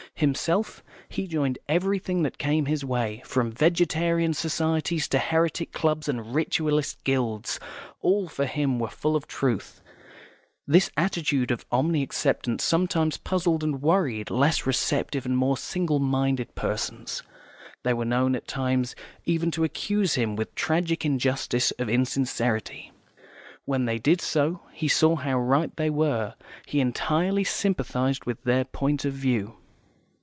Himself, he joined everything that came his way, from Vegetarian Societies to Heretic Clubs and Ritualist Guilds; all, for him, were full of truth. This attitude of omni acceptance sometimes puzzled and worried less receptive and more single minded persons; they were known at times even to accuse him, with tragic injustice, of insincerity. When they did so, he saw how right they were; he entirely sympathised with their point of view.